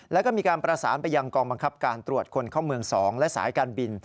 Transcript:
แล้วก็มีการประสานไปยังกองบังคับการตรวจคนเข้าเมือง๒และสายการบิน